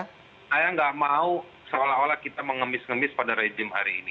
saya nggak mau seolah olah kita mengemis ngemis pada rejim hari ini